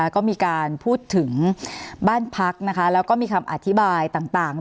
ก็มีการพูดถึงบ้านพักแล้วก็มีคำอธิบายต่าง